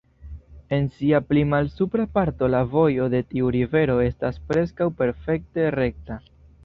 En sia pli malsupra parto la vojo de tiu rivero estas preskaŭ perfekte rekta.